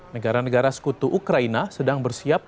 negara negara sekutu ukraina sedang bersiap